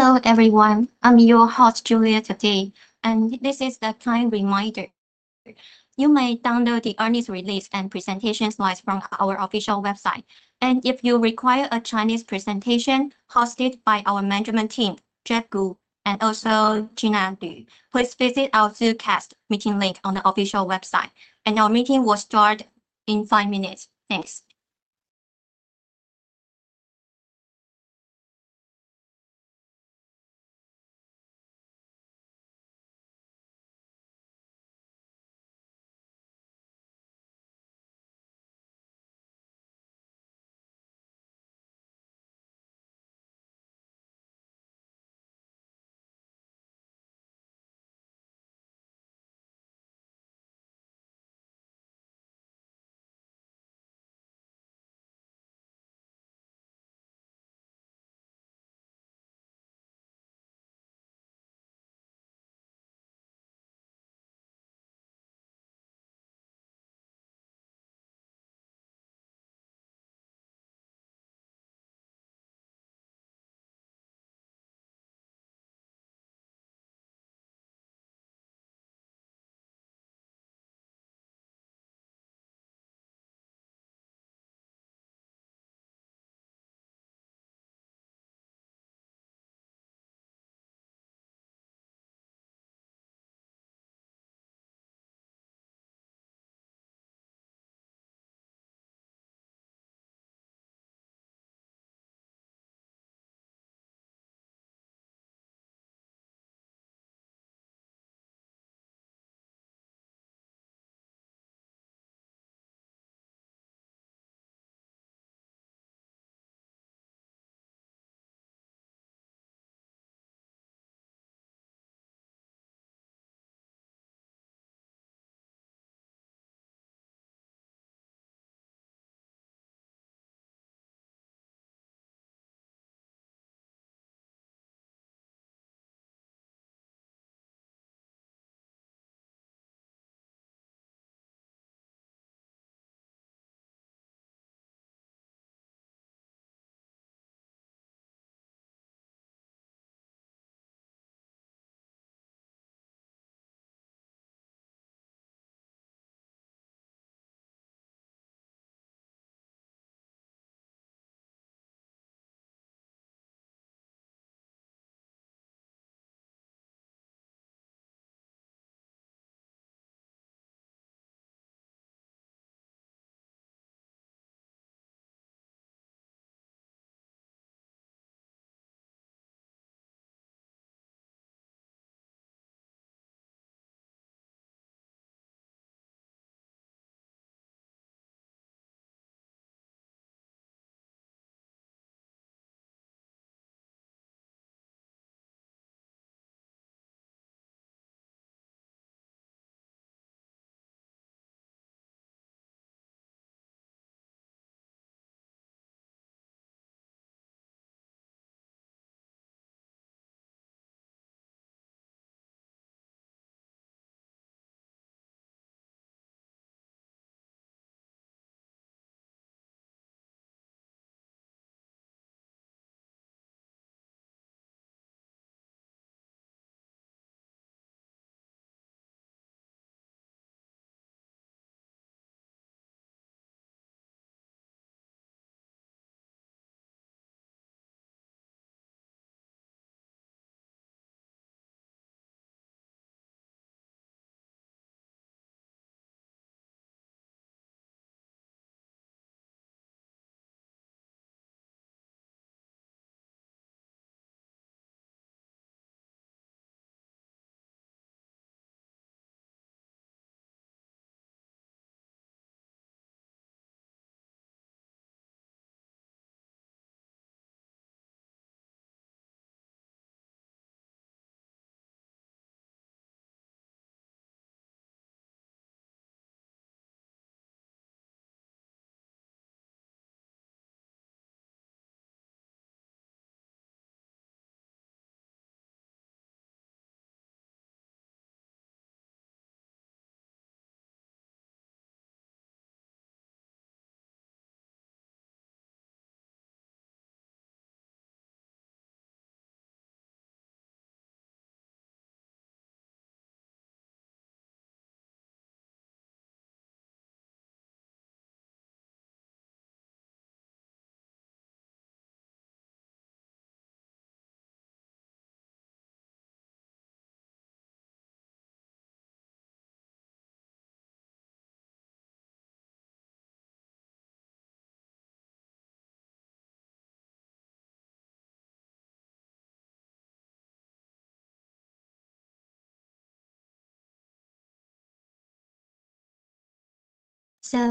Hello everyone, I'm your host, Jing, today, and this is a kind reminder. You may download the earnings release and presentation slides from our official website. If you require a Chinese presentation hosted by our management team, Jeff Ku and also Gina Lu, please visit our Zoomcast meeting link on the official website. Our meeting will start in five minutes. Thanks.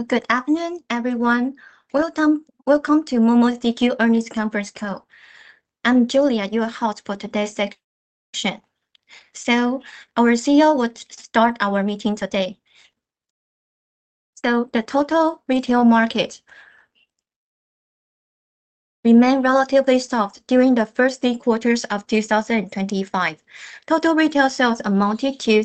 Good afternoon, everyone. Welcome, welcome to Momo CQ earnings conference call. I'm Jing, your host for today's session. Our CEO would start our meeting today. The total retail market remained relatively soft during the first three quarters of 2025. Total retail sales amounted to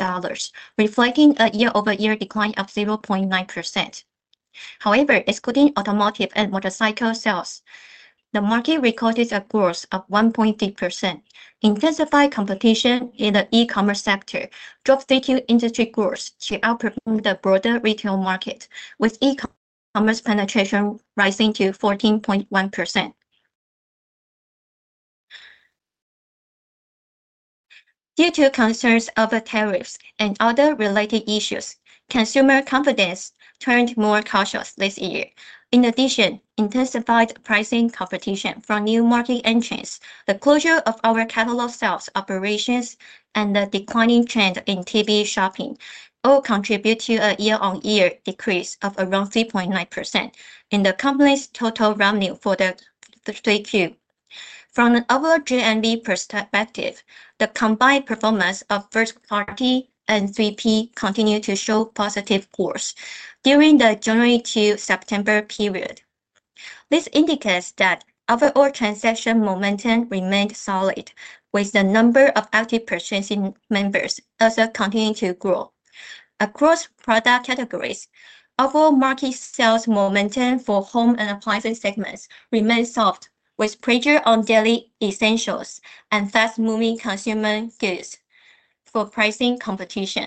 $3.56 trillion, reflecting a year-over-year decline of 0.9%. However, excluding automotive and motorcycle sales, the market recorded a growth of 1.3%. Intensified competition in the e-commerce sector drove CQ industry growth to outperform the broader retail market, with e-commerce penetration rising to 14.1%. Due to concerns over tariffs and other related issues, consumer confidence turned more cautious this year. In addition, intensified pricing competition from new market entrants, the closure of our catalog sales operations, and the declining trend in TV shopping all contributed to a year-on-year decrease of around 3.9% in the company's total revenue for the CQ. From an overall GMV perspective, the combined performance of first-party and 3P continued to show positive growth during the January to September period. This indicates that overall transaction momentum remained solid, with the number of active purchasing members also continuing to grow. Across product categories, overall market sales momentum for home and appliances segments remained soft, with pressure on daily essentials and fast-moving consumer goods for pricing competition.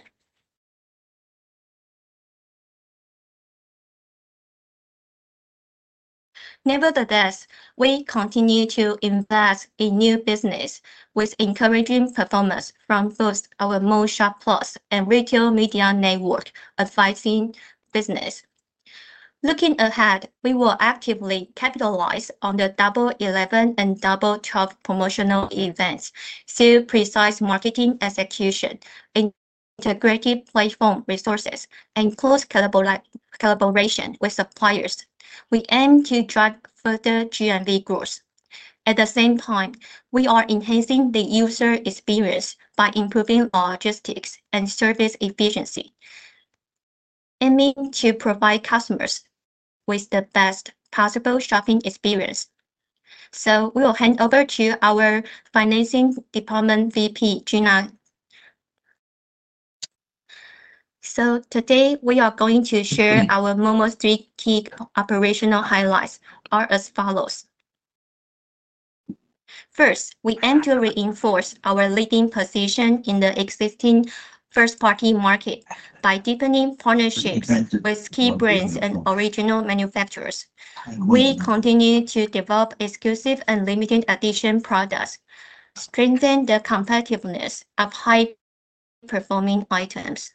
Nevertheless, we continue to invest in new business, with encouraging performance from both our Momo Shop Plus and Retail Media Network advising business. Looking ahead, we will actively capitalize on the Double 11 and Double 12 promotional events through precise marketing execution, integrated platform resources, and close collaboration with suppliers. We aim to drive further GMV growth. At the same time, we are enhancing the user experience by improving logistics and service efficiency, aiming to provide customers with the best possible shopping experience. We will hand over to our Finance Department VP, Gina Lu. Today we are going to share our Momo's three key operational highlights as follows. First, we aim to reinforce our leading position in the existing first-party market by deepening partnerships with key brands and original manufacturers. We continue to develop exclusive and limited-edition products, strengthening the competitiveness of high-performing items.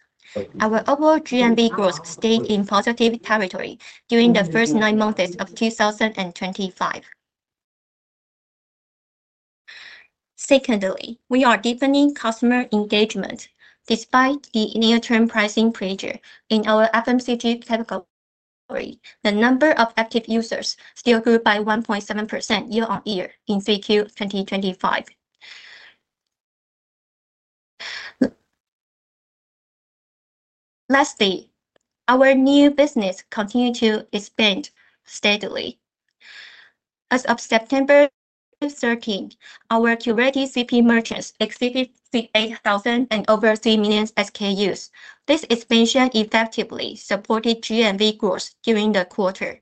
Our overall GMV growth stayed in positive territory during the first nine months of 2025. Secondly, we are deepening customer engagement. Despite the near-term pricing pressure in our FMCG category, the number of active users still grew by 1.7% year-on-year in Q3 2025. Lastly, our new business continued to expand steadily. As of September 13, our curated 3P merchants exceeded 3,800 and over 3 million SKUs. This expansion effectively supported GMV growth during the quarter.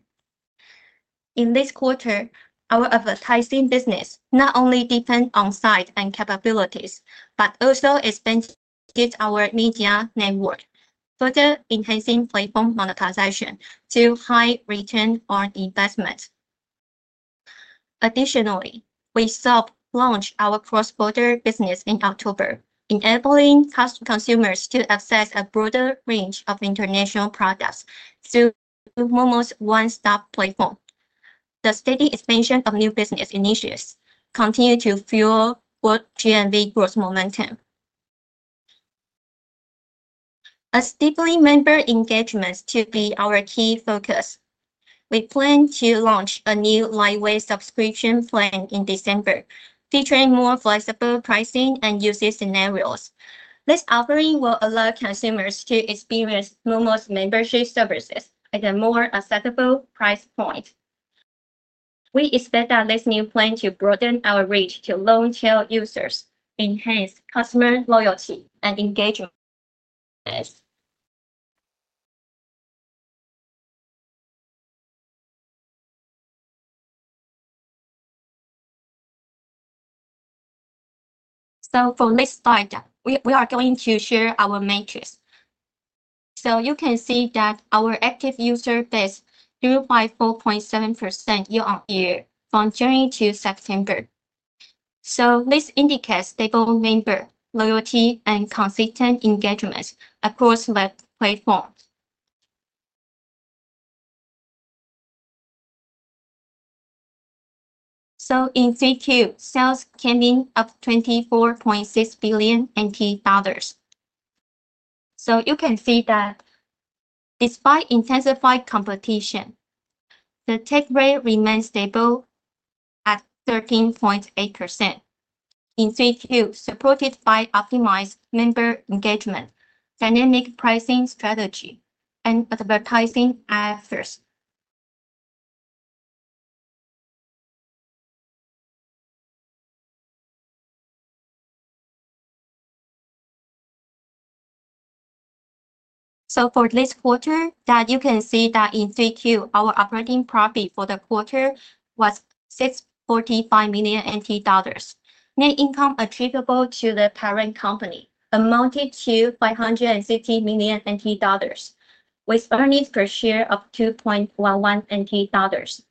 In this quarter, our advertising business not only depends on size and capabilities, but also expands our media network, further enhancing platform monetization to high return on investment. Additionally, we soft-launched our cross-border business in October, enabling customers to access a broader range of international products through Momo's one-stop platform. The steady expansion of new business initiatives continues to fuel both GMV growth momentum. A stippling member engagement to be our key focus. We plan to launch a new lightweight subscription plan in December, featuring more flexible pricing and usage scenarios. This offering will allow consumers to experience Momo's membership services at a more accessible price point. We expect that this new plan to broaden our reach to long-tail users, enhance customer loyalty, and engagement. For this slide, we are going to share our matrix. You can see that our active user base grew by 4.7% year-on-year from January to September. This indicates stable member loyalty and consistent engagement across the platform. In CQ, sales came in at 24.6 billion NT dollars. You can see that, despite intensified competition, the take rate remains stable at 13.8% in CQ, supported by optimized member engagement, dynamic pricing strategy, and advertising efforts. For this quarter, you can see that in CQ, our operating profit for the quarter was 645 million NT dollars. Net income attributable to the parent company amounted to 560 million NT dollars, with earnings per share of 2.11 NT dollars.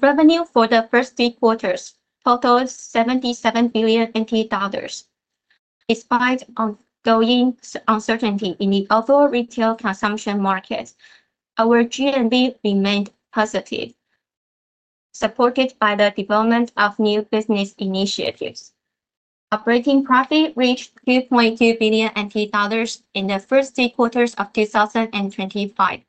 Revenue for the first three quarters totaled 77 billion NT dollars. Despite ongoing uncertainty in the overall retail consumption market, our GMV remained positive, supported by the development of new business initiatives. Operating profit reached TWD 2.2 billion in the first three quarters of 2025,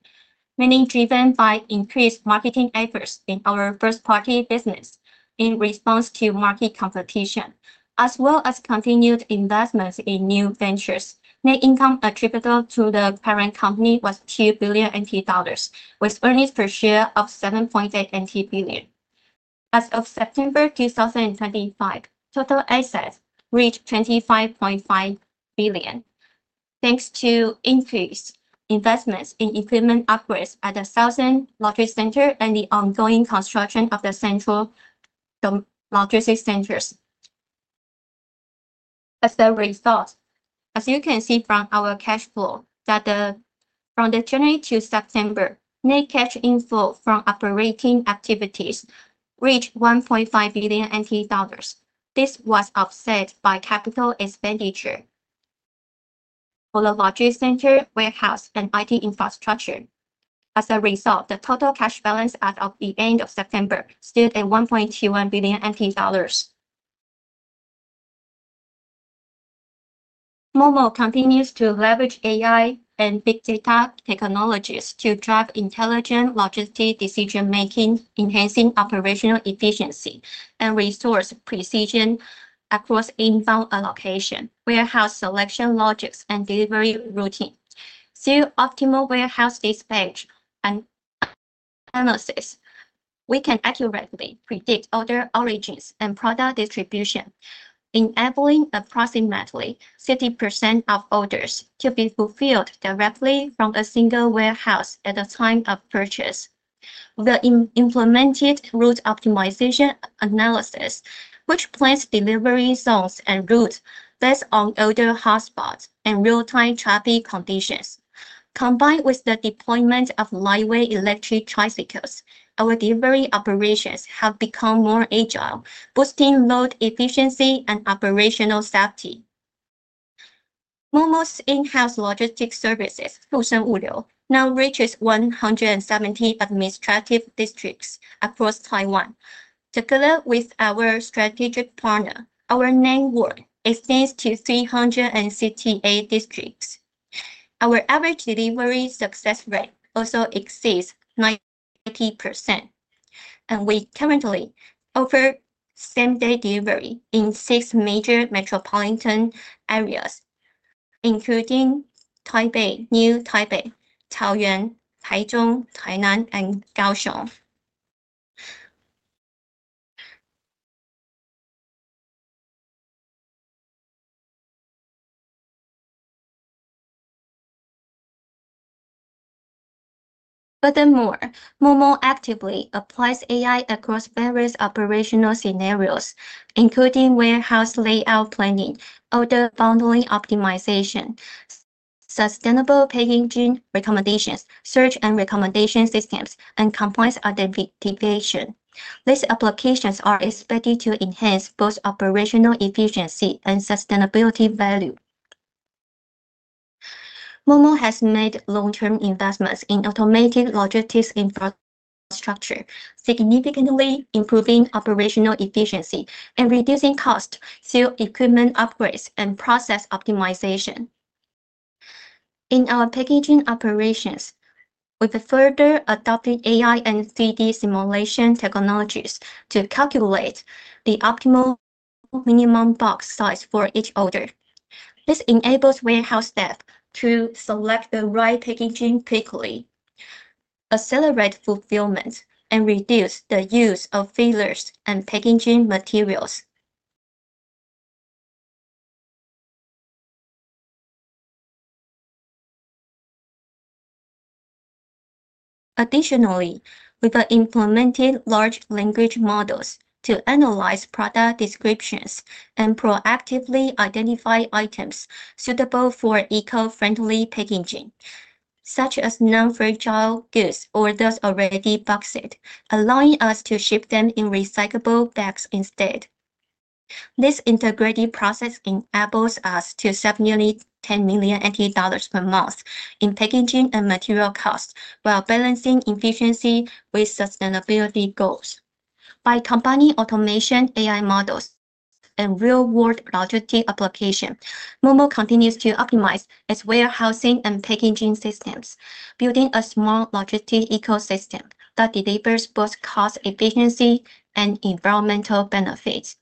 mainly driven by increased marketing efforts in our first-party business in response to market competition, as well as continued investments in new ventures. Net income attributable to the parent company was 2 billion NT dollars, with earnings per share of 7.8 NT dollars. As of September 2025, total assets reached 25.5 billion, thanks to increased investments in equipment upgrades at the Southern Logistics Center and the ongoing construction of the Central Logistics Center. As a result, as you can see from our cash flow, from January to September, net cash inflow from operating activities reached 1.5 billion NT dollars. This was offset by capital expenditure for the Logistics Center, warehouse, and IT infrastructure. As a result, the total cash balance as of the end of September stood at 1.21 billion NT dollars. Momo continues to leverage AI and big data technologies to drive intelligent logistics decision-making, enhancing operational efficiency and resource precision across inbound allocation, warehouse selection logics, and delivery routine. Through optimal warehouse dispatch and analysis, we can accurately predict order origins and product distribution, enabling approximately 60% of orders to be fulfilled directly from a single warehouse at the time of purchase. The implemented route optimization analysis, which plans delivery zones and routes based on order hotspots and real-time traffic conditions, combined with the deployment of lightweight electric tricycles, our delivery operations have become more agile, boosting load efficiency and operational safety. Momo's in-house logistics services, Fusen Uliu, now reaches 170 administrative districts across Taiwan. Together with our strategic partner, our network extends to 368 districts. Our average delivery success rate also exceeds 90%. We currently offer same-day delivery in six major metropolitan areas, including Taipei, New Taipei, Taoyuan, Taichung, Tainan, and Kaohsiung. Furthermore, Momo actively applies AI across various operational scenarios, including warehouse layout planning and order bundling optimization, sustainable packaging recommendations, search and recommendation systems, and compliance identification. These applications are expected to enhance both operational efficiency and sustainability value. Momo has made long-term investments in automated logistics infrastructure, significantly improving operational efficiency and reducing costs through equipment upgrades and process optimization. In our packaging operations, we've further adopted AI and 3D simulation technologies to calculate the optimal minimum box size for each order. This enables warehouse staff to select the right packaging quickly, accelerate fulfillment, and reduce the use of fillers and packaging materials. Additionally, we've implemented large language models to analyze product descriptions and proactively identify items suitable for eco-friendly packaging, such as non-fragile goods or those already boxed, allowing us to ship them in recyclable bags instead. This integrated process enables us to save nearly 10 million dollars per month in packaging and material costs while balancing efficiency with sustainability goals. By combining automation AI models and real-world logistics applications, Momo continues to optimize its warehousing and packaging systems, building a small logistics ecosystem that delivers both cost efficiency and environmental benefits.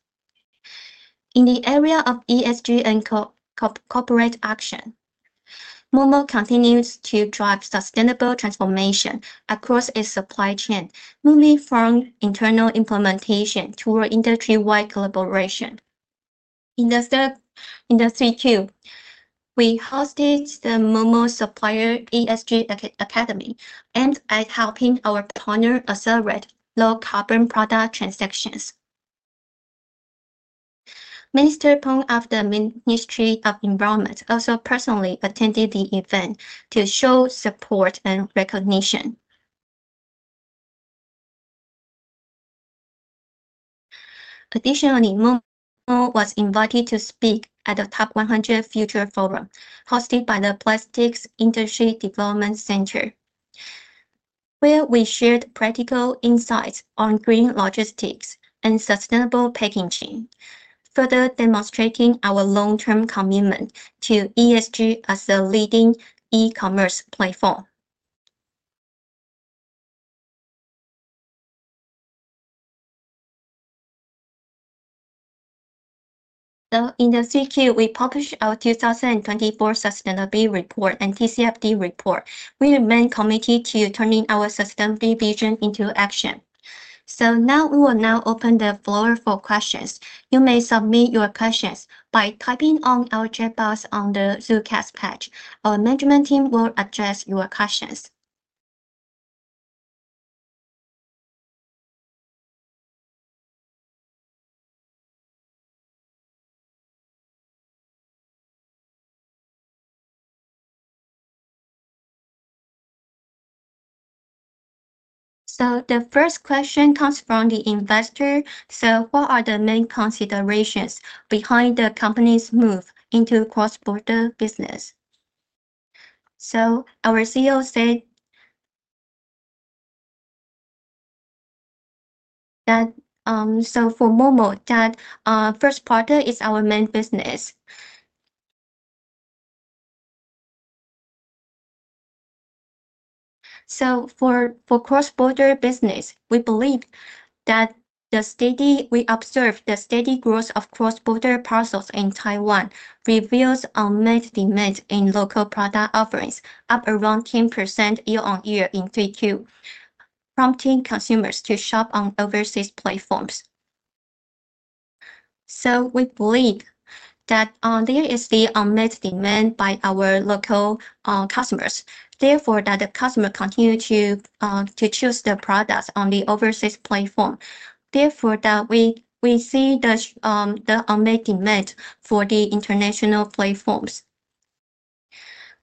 In the area of ESG and corporate action, Momo continues to drive sustainable transformation across its supply chain, moving from internal implementation toward industry-wide collaboration. In the third, in the CQ, we hosted the Momo Supplier ESG Academy aimed at helping our partner accelerate low-carbon product transactions. Minister Peng of the Ministry of Environment also personally attended the event to show support and recognition. Additionally, Momo was invited to speak at the Top 100 Future Forum, hosted by the Plastics Industry Development Center, where we shared practical insights on green logistics and sustainable packaging, further demonstrating our long-term commitment to ESG as a leading e-commerce platform. In the CQ, we published our 2024 Sustainability Report and TCFD Report. We remain committed to turning our sustainability vision into action. Now we will open the floor for questions. You may submit your questions by typing on our chat box on the Zoomcast page. Our management team will address your questions. The first question comes from the investor. What are the main considerations behind the company's move into cross-border business? Our CEO said that for Momo, first quarter is our main business. For cross-border business, we believe that the steady, we observe the steady growth of cross-border parcels in Taiwan reveals unmet demand in local product offerings, up around 10% year-on-year in CQ, prompting consumers to shop on overseas platforms. We believe that there is the unmet demand by our local customers. Therefore, the customer continues to choose the products on the overseas platform. Therefore, we see the unmet demand for the international platforms.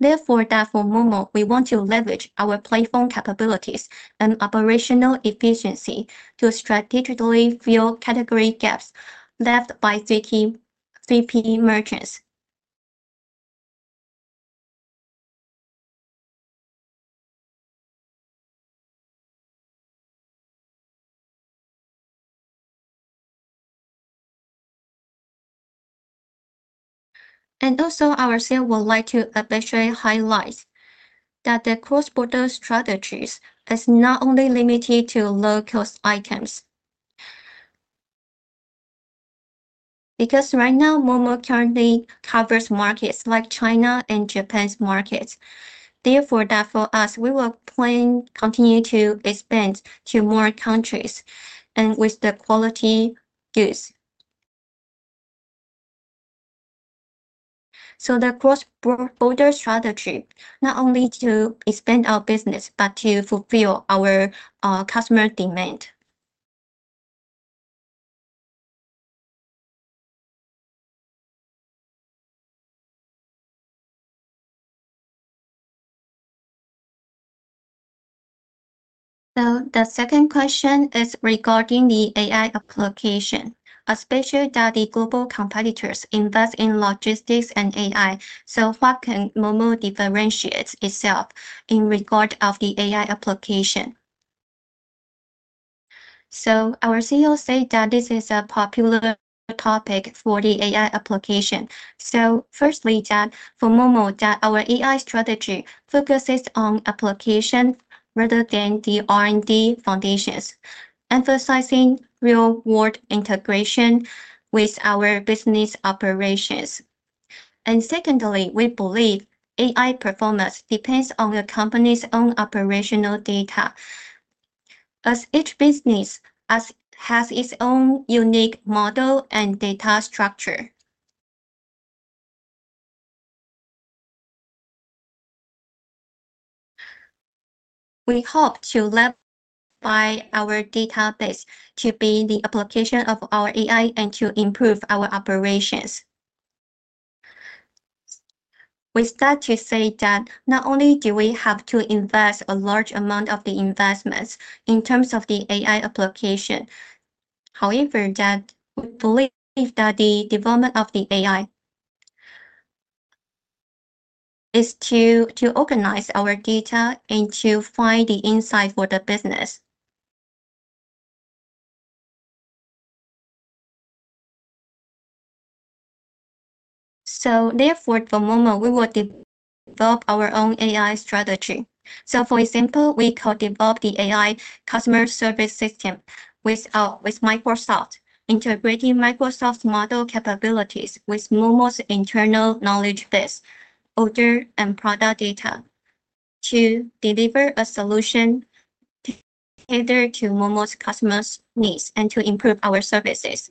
Therefore, for Momo, we want to leverage our platform capabilities and operational efficiency to strategically fill category gaps left by 3P merchants. Also, our CEO would like to especially highlight that the cross-border strategies are not only limited to low-cost items. Because right now, Momo currently covers markets like China and Japan's markets. Therefore, for us, we will plan to continue to expand to more countries and with the quality goods. The cross-border strategy is not only to expand our business, but to fulfill our customer demand. The second question is regarding the AI application, especially that the global competitors invest in logistics and AI. How can Momo differentiate itself in regard to the AI application? Our CEO said that this is a popular topic for the AI application. Firstly, for Momo, our AI strategy focuses on application rather than the R&D foundations, emphasizing real-world integration with our business operations. Secondly, we believe AI performance depends on the company's own operational data, as each business has its own unique model and data structure. We hope to leverage our database to be the application of our AI and to improve our operations. Not only do we have to invest a large amount of the investments in terms of the AI application, however, we believe that the development of the AI is to organize our data and to find the insight for the business. Therefore, for Momo, we will develop our own AI strategy. For example, we could develop the AI customer service system with Microsoft, integrating Microsoft's model capabilities with Momo's internal knowledge base, order and product data. To deliver a solution tailored to Momo's customers' needs and to improve our services.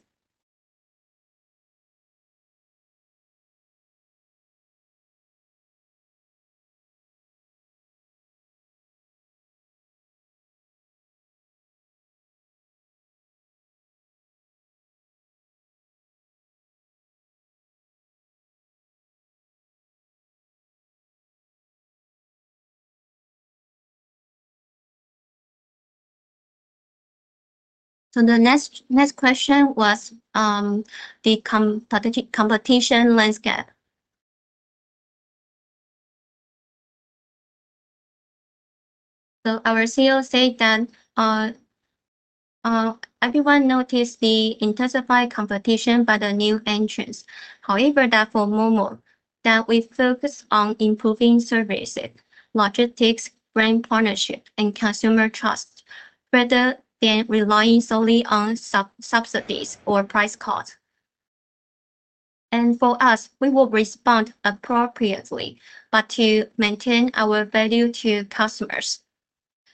The next question was the competition landscape. Our CEO said that everyone noticed the intensified competition by the new entrants. However, for Momo, we focus on improving services, logistics, brand partnership, and consumer trust, rather than relying solely on subsidies or price costs. For us, we will respond appropriately, but maintain our value to customers.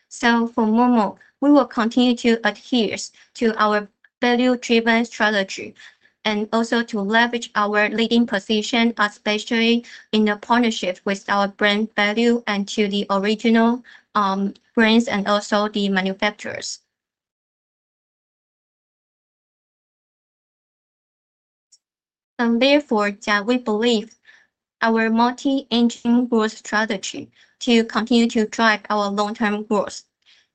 For Momo, we will continue to adhere to our value-driven strategy and also leverage our leading position, especially in the partnership with our brand value and to the original brands and also the manufacturers. Therefore, we believe our multi-engine growth strategy will continue to drive our long-term growth.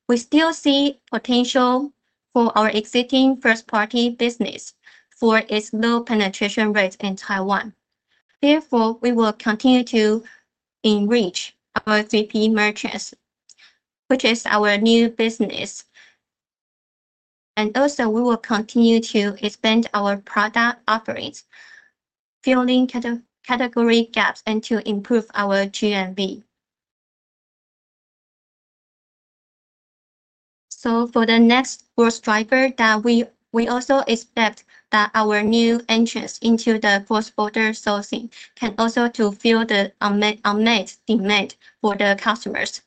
We still see potential for our existing first-party business for its low penetration rates in Taiwan. Therefore, we will continue to enrich our 3P merchants, which is our new business. Also, we will continue to expand our product offerings, filling category gaps, and improve our GMV. For the next growth driver, we also expect that our new entrants into the cross-border sourcing can fulfill the unmet demand for the customers.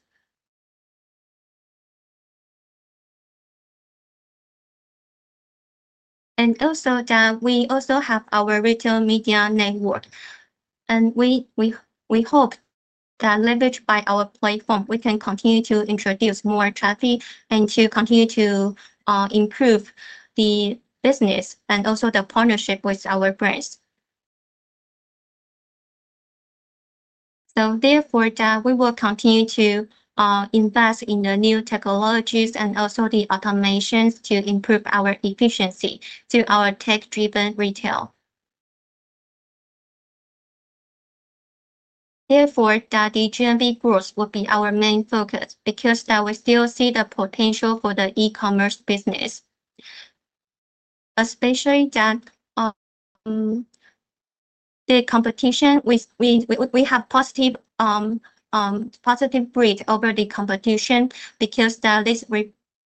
Also, we have our retail media network. We hope that, leveraged by our platform, we can continue to introduce more traffic and continue to improve the business and the partnership with our brands. Therefore, we will continue to invest in new technologies and also automations to improve our efficiency through our tech-driven retail. Therefore, the GMV growth will be our main focus because we still see the potential for the e-commerce business. Especially, the competition, we have positive, positive breed over the competition because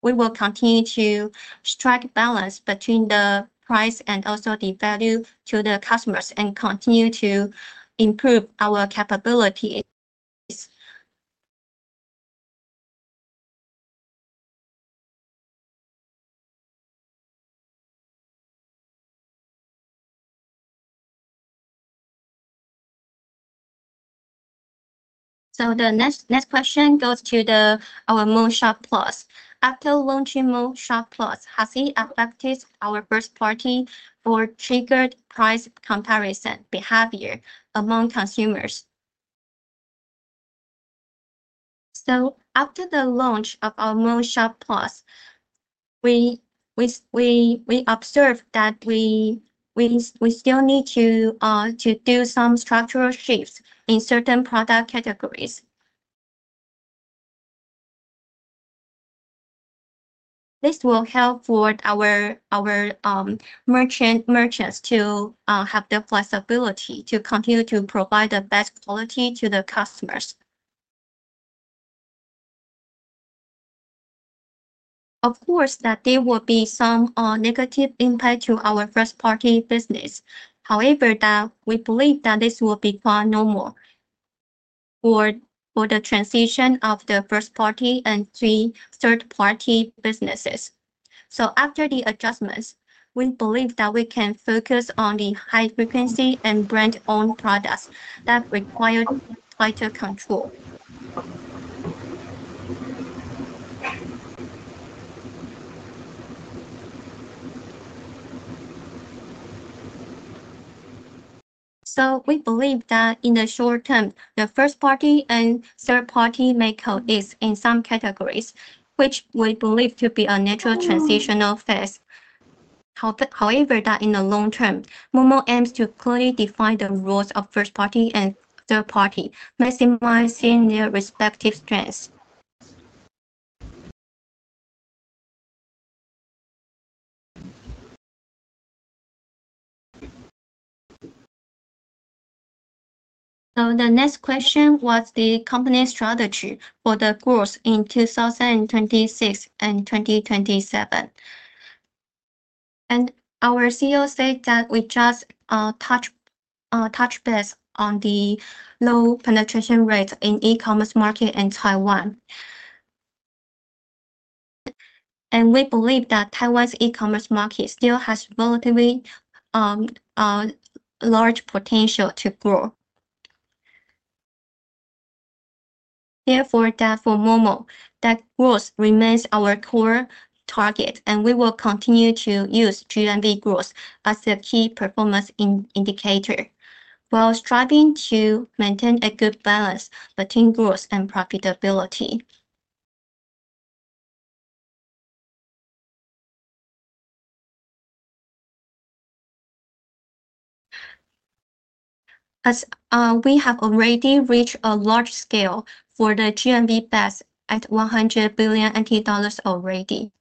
we will continue to strike balance between the price and also the value to the customers and continue to improve our capabilities. The next question goes to our Momo Shop Plus. After launching Momo Shop Plus, has it affected our first-party or triggered price comparison behavior among consumers? After the launch of our Momo Shop Plus, we observe that we still need to do some structural shifts in certain product categories. This will help our merchants to have the flexibility to continue to provide the best quality to the customers. Of course, there will be some negative impact to our first-party business. However, we believe that this will become normal for the transition of the first-party and third-party businesses. After the adjustments, we believe that we can focus on the high-frequency and brand-owned products that require tighter control. We believe that in the short term, the first-party and third-party makeup is in some categories, which we believe to be a natural transitional phase. However, in the long term, Momo aims to clearly define the roles of first-party and third-party, maximizing their respective strengths. The next question was the company strategy for the growth in 2026 and 2027. Our CEO said that we just touched base on the low penetration rates in the e-commerce market in Taiwan. We believe that Taiwan's e-commerce market still has relatively large potential to grow. Therefore, for Momo, growth remains our core target, and we will continue to use GMV growth as a key performance indicator while striving to maintain a good balance between growth and profitability. As we have already reached a large scale for the GMV, at TWD 100 billion already,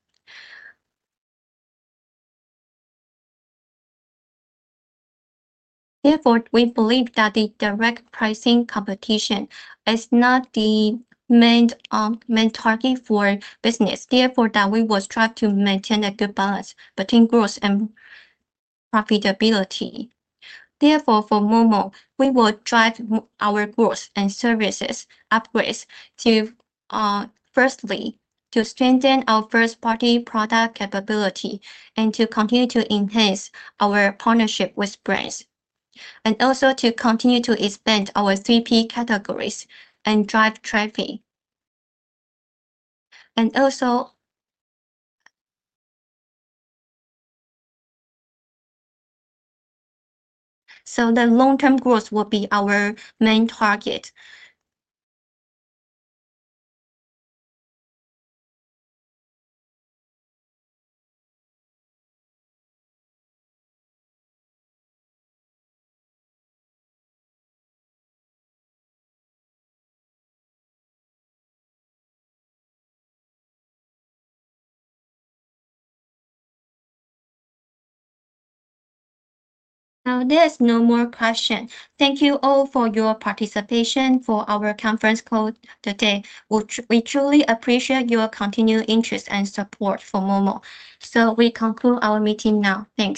we believe that direct pricing competition is not the main target for business. Therefore, we will strive to maintain a good balance between growth and profitability. Therefore, for Momo, we will drive our growth and services upgrades to, firstly, to strengthen our first-party product capability and to continue to enhance our partnership with brands, and also to continue to expand our 3P categories and drive traffic. Also, the long-term growth will be our main target. Now, there's no more question. Thank you all for your participation for our conference call today. We truly appreciate your continued interest and support for Momo. We conclude our meeting now. Thanks.